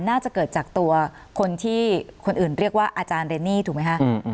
น่าจะเกิดจากตัวคนที่คนอื่นเรียกว่าอาจารย์เรนนี่ถูกไหมคะ